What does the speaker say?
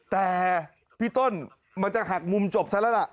แต่พี่ต้นมันจะหักมุมจบซะแล้วล่ะ